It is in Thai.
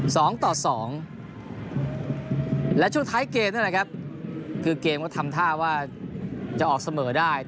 สองต่อสองและช่วงท้ายเกมนั่นแหละครับคือเกมก็ทำท่าว่าจะออกเสมอได้